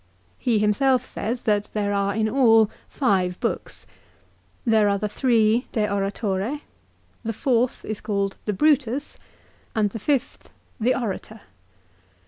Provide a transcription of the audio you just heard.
He himself says that there are in all five books. There are the three " De Oratore.'' The fourth is called " The Brutus," and the fifth 328 LIFE OF " The Orator."